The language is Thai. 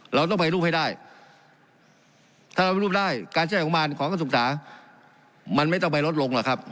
เราต้องไปรูปให้ได้ถ้าเราไปรูปได้การใช้ของมารของการศึกษามันไม่ต้องไปลดลงหรอกครับ